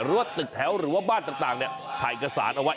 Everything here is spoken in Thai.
รวดตึกแถวหรือว่าบ้านต่างเนี่ยขายกษานเอาไว้